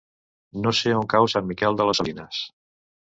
No sé on cau Sant Miquel de les Salines.